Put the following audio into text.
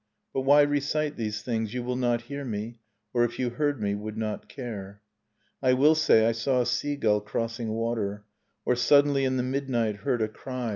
1 But why recite these things? You will not hear me, Or if you heard me, would not care. , I will say: I saw a sea gull crossing water, Or suddenly in the midnight heard a cry.